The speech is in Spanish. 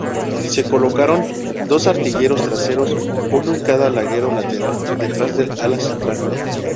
Se colocaron dos artilleros traseros, uno en cada larguero lateral detrás del ala central.